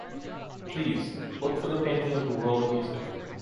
Please, look for the painting of the World of Music.